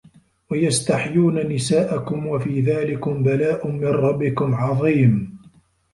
وَيَسْتَحْيُونَ نِسَاءَكُمْ ۚ وَفِي ذَٰلِكُمْ بَلَاءٌ مِنْ رَبِّكُمْ عَظِيمٌ